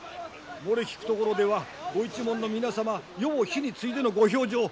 漏れ聞くところではご一門の皆様夜を日に継いでのご評定。